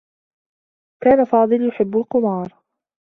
كان فاضل يحبّ القمار.